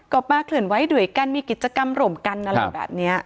ก็มาเคลื่อนไว้ด้วยกันมีกิจกรรมร่วมกันอะไรแบบนี้